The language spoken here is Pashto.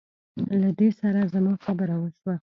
له دې سره زما خبره وشوه.